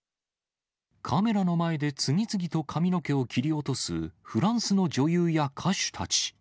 カメラの前で、次々と髪の毛を切り落とす、フランスの女優や歌手たち。